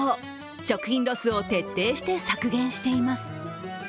食品ロスを徹底して削減しています。